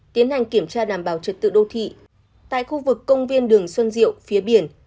tiến hành kiểm tra đảm bảo trật tự đô thị tại khu vực công viên đường xuân diệu phía biển